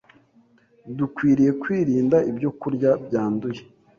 Dukwiriye kwirinda ibyokurya byanduye